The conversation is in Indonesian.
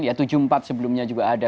ya tujuh puluh empat sebelumnya juga ada